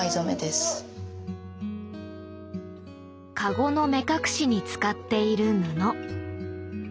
カゴの目隠しに使っている布。